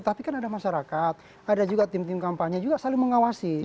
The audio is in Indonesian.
tapi kan ada masyarakat ada juga tim tim kampanye juga saling mengawasi